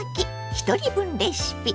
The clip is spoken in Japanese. ひとり分レシピ」。